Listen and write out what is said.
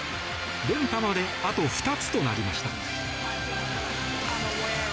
連覇まであと２つとなりました。